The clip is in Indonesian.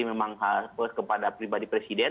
memang kepada pribadi presiden